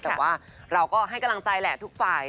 แต่ว่าเราก็ให้กำลังใจแหละทุกฝ่าย